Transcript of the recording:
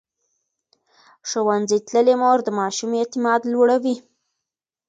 ښوونځې تللې مور د ماشوم اعتماد لوړوي.